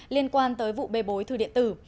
liên quan tới vụ bê bối thư điện tử